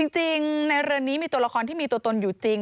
จริงในเรือนนี้มีตัวละครที่มีตัวตนอยู่จริง